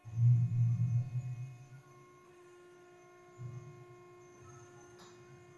Industria apliko estas la kreado de modifitaj bakterioj, kiuj produktas deziratan kemian substancon.